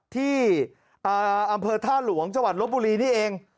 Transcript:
ที่อำเภอท่าหลวงจลบบุรีนี่เอง